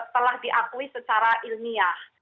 telah diakui secara ilmiah